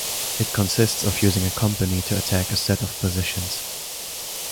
It consists of using a company to attack a set of positions.